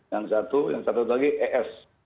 yang satu yang satu lagi es